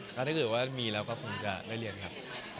ถ้าเกิดว่ามีเราก็คงจะได้เรียนครับ